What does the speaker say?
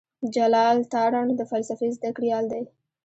جلال تارڼ د فلسفې زده کړيال دی.